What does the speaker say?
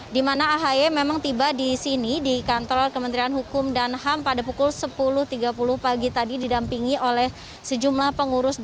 di mana ahy memang tiba di sini di kantor kementerian hukum dan ham pada pukul sepuluh tiga puluh pagi tadi didampingi oleh sejumlah pengurus dpd